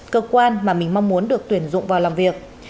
cơ quan mà mình mong muốn được tuyển dụng vào làm việc